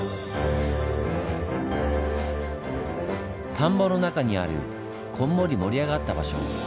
田んぼの中にあるこんもり盛り上がった場所。